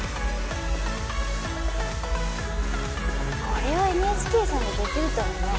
これはＮＨＫさんでできるとはね。